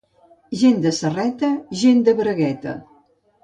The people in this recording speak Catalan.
Gent de serreta, gent de bragueta.